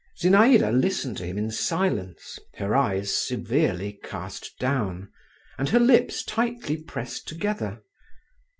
Zinaïda listened to him in silence, her eyes severely cast down, and her lips tightly pressed together.